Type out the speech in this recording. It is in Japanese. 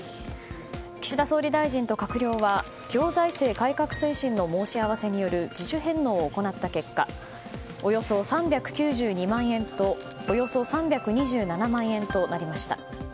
岸田総理大臣と閣僚は行財政改革推進の申し合わせによる自主返納を行った結果およそ３９２万円とおよそ３２７万円となりました。